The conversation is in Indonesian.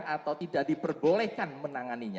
atau tidak diperbolehkan menanganinya